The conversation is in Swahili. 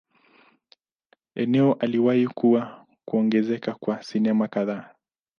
Eneo aliwahi kuwa kuongezeka kwa sinema kadhaa.